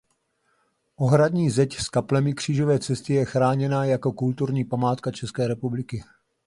Ohradní zeď s kaplemi křížové cesty je chráněna jako Kulturní památka České republiky.